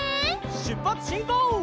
しゅっぱつしんこう！